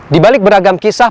di balik beragam kisah